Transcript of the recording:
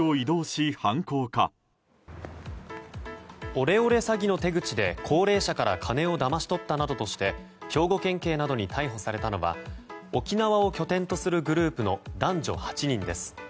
オレオレ詐欺の手口で高齢者から金をだまし取ったなどして兵庫県警などに逮捕されたのは沖縄を拠点とするグループの男女８人です。